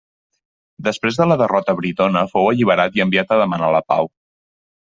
Després de la derrota britona fou alliberat i enviat a demanar la pau.